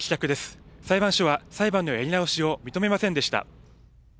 裁判所は裁判のやり直しを認めませんでした。